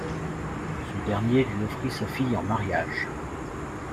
Ce dernier lui offrit sa fille en mariage.